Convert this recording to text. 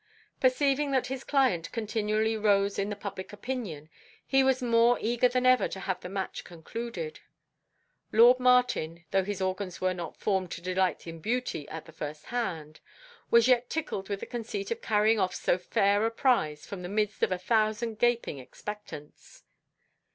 Perceiving that his client continually rose in the public opinion, he was more eager than ever to have the match concluded. Lord Martin, though his organs were not formed to delight in beauty at the first hand, was yet tickled with the conceit of carrying off so fair a prize from the midst of a thousand gaping expectants.